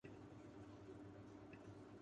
کل یہ بل جمع کرادیں